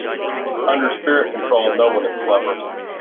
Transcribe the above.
Under spirit-control no one is clever.